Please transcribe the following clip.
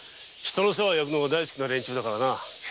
世話をやくのが大好きな連中だから。